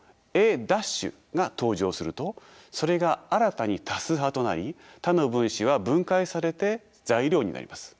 Ａ′が登場するとそれが新たに多数派となり他の分子は分解されて材料になります。